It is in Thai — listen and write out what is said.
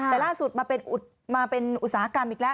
แต่ล่าสุดมาเป็นอุตสาหกรรมอีกแล้ว